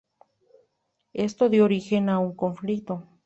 Esto dio origen a un conflicto.